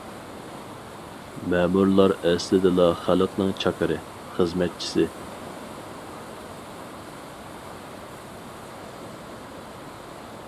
مەمۇرلار ئەسلىدىلا خەلقنىڭ چاكىرى، خىزمەتچىسى.